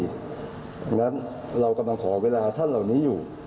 เพราะฉะนั้นเรากำลังขอเวลาท่านเหล่านี้อยู่